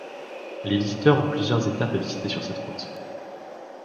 Les visiteurs ont plusieurs étapes à visiter sur cette route.